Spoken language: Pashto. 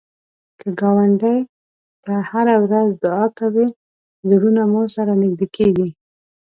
که ګاونډي ته هره ورځ دعا کوې، زړونه مو سره نږدې کېږي